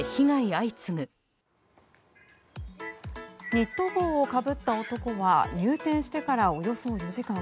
ニット帽をかぶった男が入店してから、およそ４時間。